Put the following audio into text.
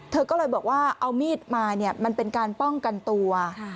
เธอก็เลยบอกว่าเอามีดมาเนี่ยมันเป็นการป้องกันตัว